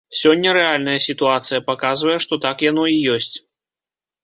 Сёння рэальная сітуацыя паказвае, што так яно і ёсць.